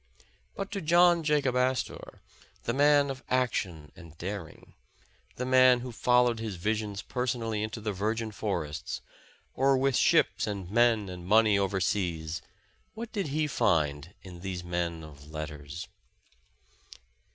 But to John Jacol^ Astor, the man of action and dar ing, the man who followed his visions personally into the virgin forests, or with ships and men and money over seas, — what did he find in these men of letters?